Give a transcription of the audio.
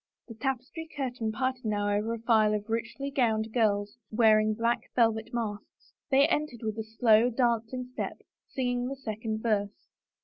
The tapestry curtain parted now over a file of richly gowned girls, wearing black velvet masks. They en tered with a slow, dancing step, singing the second verse.